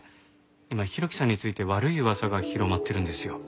今浩喜さんについて悪い噂が広まってるんですよ。